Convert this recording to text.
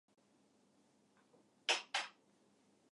ゲームは楽しい